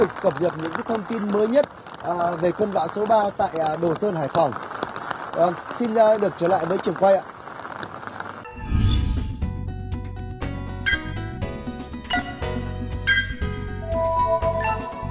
hải phòng xin được trở lại với trường quay ạ